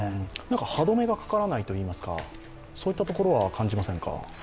歯止めがかからないといいますか、そういったところは感じませんか？